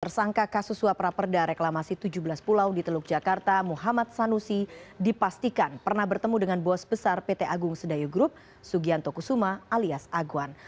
tersangka kasus suap raperda reklamasi tujuh belas pulau di teluk jakarta muhammad sanusi dipastikan pernah bertemu dengan bos besar pt agung sedayo group sugianto kusuma alias aguan